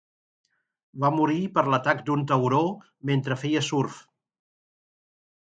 Va morir per l'atac d'un tauró mentre feia surf.